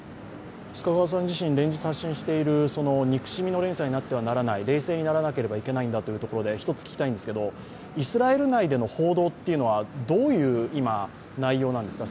須賀川さん自身、連日発信している、憎しみの連鎖になってはならない、冷静にならなければいないんだと言うところで１つ聞きたいんですけど、イスラエル内での報道というのは今、どういう内容なんですか。